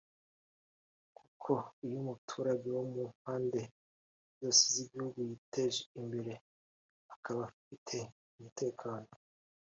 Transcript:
kuko iyo umuturage wo mu mpande zose z’igihugu yiteje imbere akaba afite umutekano